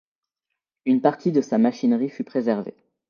Une partie de sa machinerie fut préservée.